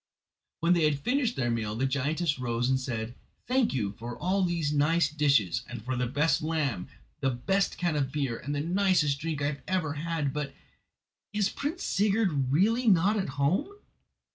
When they had finished their meal the giantess rose and said: "Thank you for all these nice dishes, and for the best lamb, the best can of beer and the nicest drink I have ever had; but—is Prince Sigurd really not at home?"